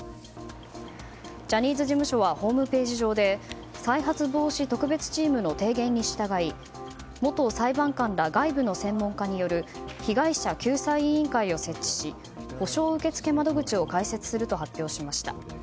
ジャニーズ事務所はホームページ上で再発防止特別チームの提言に従い元裁判官ら外部の専門家による被害者救済委員会を設置し補償受付窓口を開設すると発表しました。